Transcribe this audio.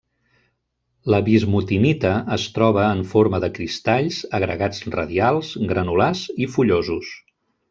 La bismutinita es troba en forma de cristalls, agregats radials, granulars i fullosos.